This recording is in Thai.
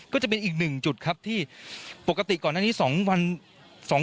ก็จะเป็นอีกหนึ่งจุดครับที่ปกติก่อนหน้านี้๒วัน